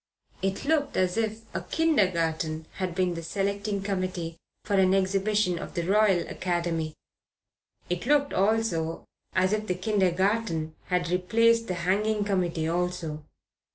It looked as if a kindergarten had been the selecting committee for an exhibition of the Royal Academy. It looked also as if the kindergarten had replaced the hanging committee also.